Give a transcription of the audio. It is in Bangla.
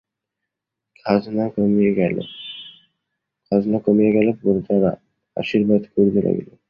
খাজনা কমিয়া গেল, প্রজারা আশীর্বাদ করিতে লাগিল।